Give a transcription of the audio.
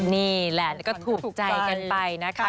นี่แหละก็ถูกใจกันไปนะคะ